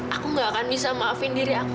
aku gak akan bisa maafin diri aku